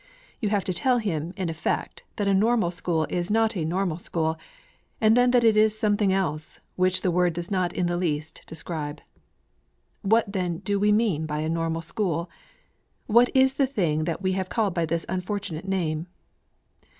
You have to tell him, in effect, that a Normal School is not a Normal School, and then that it is something else, which the word does not in the least describe. What then do we mean by a Normal School? What is the thing which we have called by this unfortunate name?